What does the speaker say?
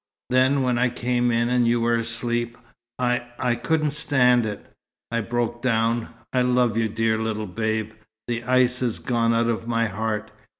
Then, when I came in, and you were asleep, I I couldn't stand it. I broke down. I love you, dear little Babe. The ice is gone out of my heart.